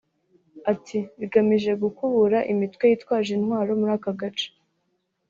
Ati ‘‘Bigamije gukubura imitwe yitwaje intwaro muri aka gace